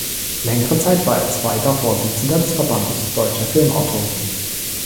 Längere Zeit war er zweiter Vorsitzender des Verbandes deutscher Filmautoren.